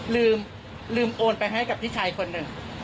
ลืมโอนไปให้กับพี่ชายคนหนึ่ง